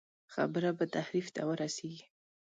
خبره به تحریف ته ورسېږي.